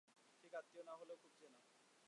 ঠিক আত্মীয় না হলেও খুব চেনা!